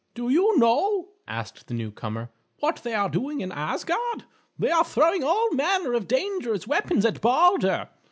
"Do you know," asked the newcomer, "what they are doing in Asgard? They are throwing all manner of dangerous weapons at Balder.